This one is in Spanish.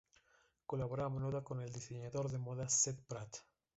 Colabora a menudo con el diseñador de moda Seth Pratt.